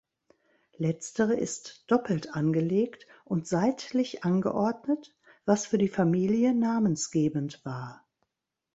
Letztere ist doppelt angelegt und seitlich angeordnet, was für die Familie namensgebend war.